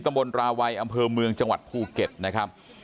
บนราวัยอำเภอเมืองจังหวัดภูเก็ตนะครับ